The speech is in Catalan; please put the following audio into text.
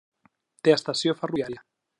Té estació ferroviària.